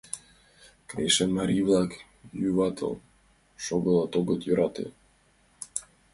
Крешын марий-влак юватыл шогылташ огыт йӧрате.